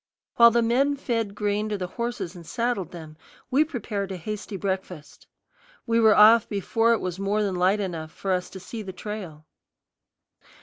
While the men fed grain to the horses and saddled them, we prepared a hasty breakfast. We were off before it was more than light enough for us to see the trail.